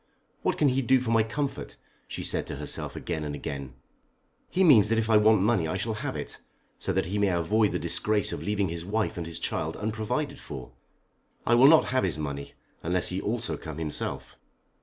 "What can he do for my comfort?" she said to herself again and again. "He means that if I want money I shall have it, so that he may avoid the disgrace of leaving his wife and his child unprovided for. I will not have his money, unless he also come himself."